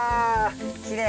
きれい。